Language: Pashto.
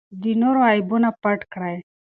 د نورو عیبونه پټ کړئ.